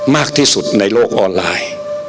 มากที่สุดในโลกออนไลน์